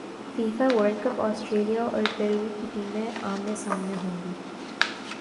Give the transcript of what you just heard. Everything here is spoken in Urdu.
فیفا ورلڈکپ سٹریلیا اور پیرو کی ٹیمیں منے سامنے ہوں گی